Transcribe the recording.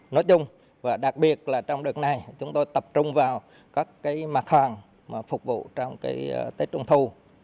nói chung đặc biệt trong đợt này chúng tôi tập trung vào các mặt hoàng phục vụ trong tết trung thu